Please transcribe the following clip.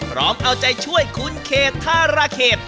พร้อมเอาใจช่วยคุณเขตธาราเขต